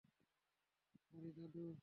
Sorry, দাদু।